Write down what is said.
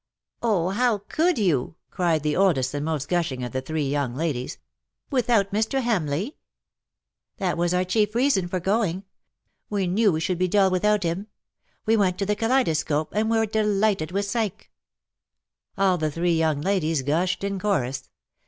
^' Oh, how could you V cried the oldest and most gushing of the three young ladies. " Without Mr. Hamleigh V' ^' That was our chief reason for going. We knew we should be dull without him. We went to the Kaleidoscope, and were delighted with Psyche.^^ All three young ladies gushed in chorus.